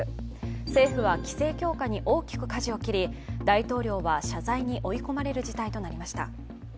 政府は規制強化に大きくかじを切り大統領は謝罪に追い込まれる事態となりました。